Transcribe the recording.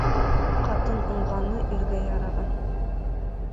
Ҡатын уңғаны иргә яраған